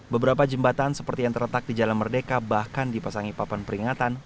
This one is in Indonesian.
beberapa jembatan seperti yang terletak di jalan merdeka bahkan dipasangi papan peringatan